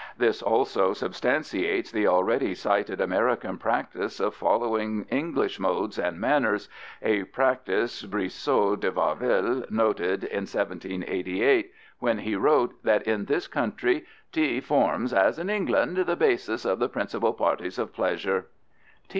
This also substantiates the already cited American practice of following English modes and manners, a practice Brissot de Warville noted in 1788 when he wrote that in this country "tea forms, as in England, the basis of the principal parties of pleasures."